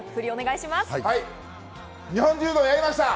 日本柔道やりました！